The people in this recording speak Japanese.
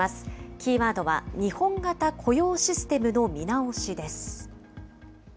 キーワードは、日本型雇用システムの見直しです。